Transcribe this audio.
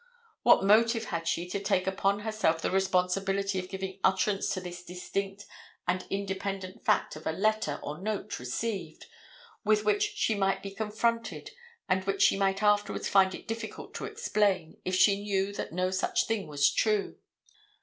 What motive had she to take upon herself the responsibility of giving utterance to this distinct and independent fact of a letter or note received, with which she might be confronted and which she might afterwards find it difficult to explain, if she knew that no such thing was true?